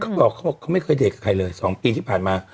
เขาบอกเขาบอกเขาไม่เคยเดทกับใครเลย๒ปีที่ผ่านมา